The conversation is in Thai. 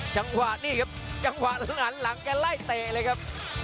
จังหวะนี่ครับจังหวะล้างแตะเลยครับ